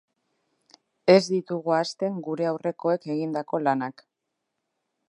Ez ditugu ahazten gure aurrekoek egindako lanak.